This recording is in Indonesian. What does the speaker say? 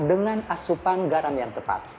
dengan asupan garam yang tepat